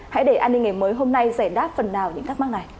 hãy để an ninh ngày mới hôm nay giải đáp phần nào những thắc mắc này